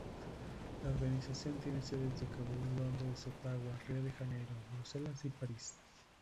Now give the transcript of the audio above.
La organización tiene sedes en Kabul, Londres, Ottawa, Río de Janeiro, Bruselas y París.